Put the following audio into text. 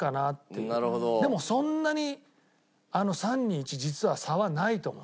でもそんなに３２１実は差はないと思う。